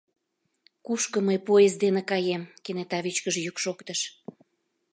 — Кушко мый поезд дене каем? — кенета вичкыж йӱк шоктыш.